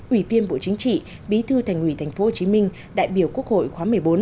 ủy viên bộ chính trị bí thư thành ủy tp hcm đại biểu quốc hội khóa một mươi bốn